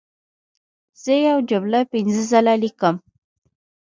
زه یوه جمله پنځه ځله لیکم.